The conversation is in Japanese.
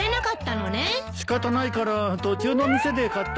仕方ないから途中の店で買ったよ。